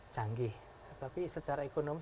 canggih tapi secara ekonomi